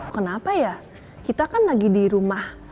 kenapa ya kita kan lagi di rumah